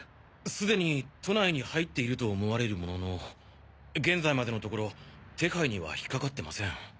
すでに都内に入っていると思われるものの現在までのところ手配には引っかかってません。